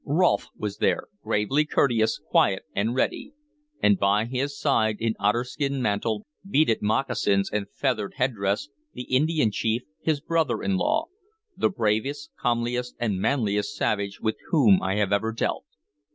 Rolfe was there, gravely courteous, quiet and ready; and by his side, in otterskin mantle, beaded moccasins, and feathered headdress, the Indian chief, his brother in law, the bravest, comeliest, and manliest savage with whom I have ever dealt.